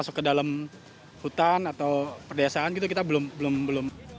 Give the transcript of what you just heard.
masuk ke dalam hutan atau perdesaan gitu kita belum